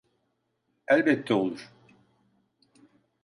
Elbette olur.